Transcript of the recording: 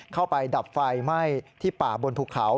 เข้าไปดับไฟไหม้ที่ป่าบนภูเขา